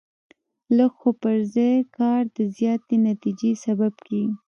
لږ خو پر ځای کار د زیاتې نتیجې سبب کېږي.